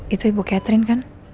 itu ibu catherine kan